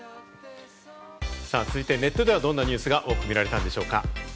続いて、ネットではどんなニュースが多く見られたんでしょうか。